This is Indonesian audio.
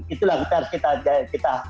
itulah yang kita harus kita